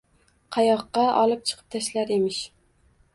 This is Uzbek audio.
Qayoqqa olib chiqib tashlar emish?